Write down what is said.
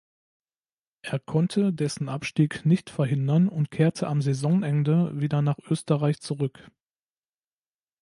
Er konnte dessen Abstieg nicht verhindern und kehrte am Saisonende wieder nach Österreich zurück.